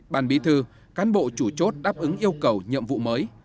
bàn bí thư cán bộ chủ chốt đáp ứng yêu cầu nhiệm vụ mới